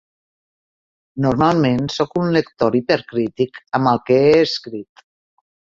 Normalment sóc un lector hipercrític amb el que he escrit.